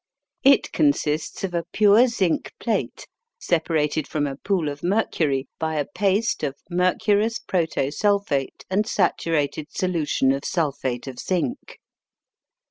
It consists of a pure zinc plate separated from a pool of mercury by a paste of mercurous proto sulphate and saturated solution of sulphate of zinc.